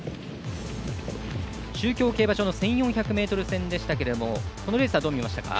中京競馬場の１４００ｍ戦でしたがこのレースは、どう見ましたか？